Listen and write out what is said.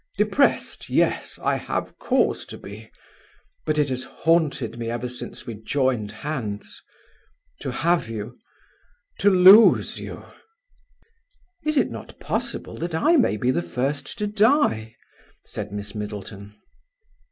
Depressed, yes; I have cause to be. But it has haunted me ever since we joined hands. To have you to lose you!" "Is it not possible that I may be the first to die?" said Miss Middleton.